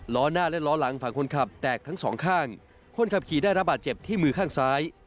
ล้อหน้าและล้อหลังฝั่งคนขับแตกทั้งสองข้างคนขับขี่ได้ระบาดเจ็บที่มือข้างซ้าย